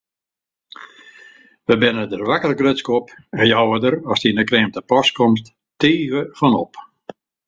It is te betiid.